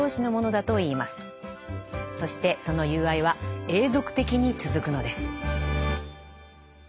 そしてその友愛は永続的に続くのです。